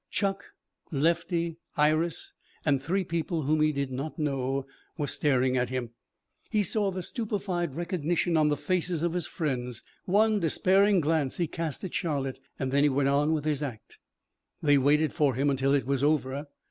Chuck, Lefty, Iris, and three people whom he did not know were staring at him. He saw the stupefied recognition on the faces of his friends. One despairing glance he cast at Charlotte and then he went on with his act. They waited for him until it was over.